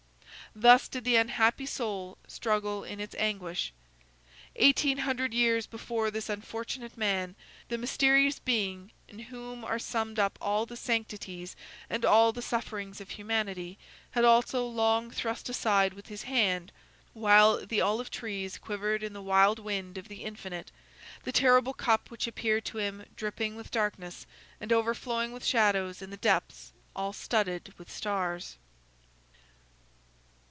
Thus did this unhappy soul struggle in its anguish. Eighteen hundred years before this unfortunate man, the mysterious Being in whom are summed up all the sanctities and all the sufferings of humanity had also long thrust aside with his hand, while the olive trees quivered in the wild wind of the infinite, the terrible cup which appeared to Him dripping with darkness and overflowing with shadows in the depths all studded with stars.